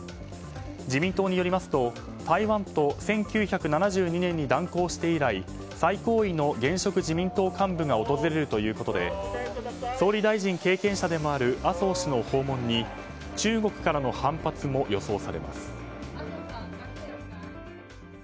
自民党によりますと台湾と１９７２年に断交して以来最高位の現職自民党幹部が訪れるということで総理大臣経験者でもある麻生氏の訪問に中国からの反発も予想されます。